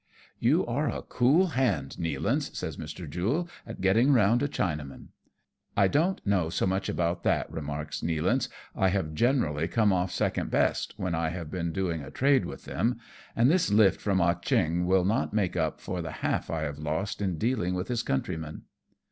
" You are a cool hand, Nealance," says Mr. Jule, " at getting round a Chinaman." "I don't know so much about that," remarks Nealance. "I have generally come off second best, when I have been doing a trade with them ; and this lift from Ah Cheong will not make up for the half I have lost in dealing with his countrymen."